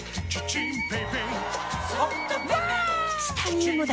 チタニウムだ！